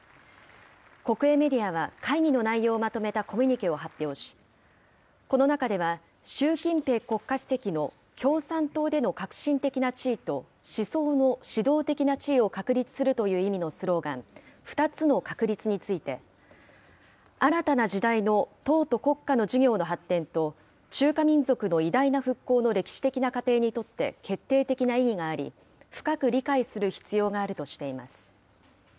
国営メディアは会議の内容をまとめたコミュニケを発表し、この中では、習近平国家主席の共産党での核心的な地位と思想の指導的な地位を確立するという意味のスローガン、２つの確立について、新たな時代の党と国家の事業の発展と、中華民族の偉大な復興の歴史的な過程にとって、決定的な意義があり、深く理解する必要があるとしています。